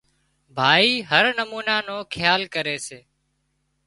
ڀائي هر نُمونا نو کيال ڪري سي